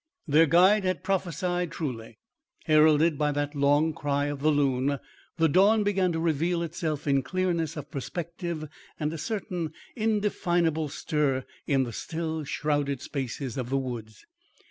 Their guide had prophesied truly. Heralded by that long cry of the loon, the dawn began to reveal itself in clearness of perspective and a certain indefinable stir in the still, shrouded spaces of the woods.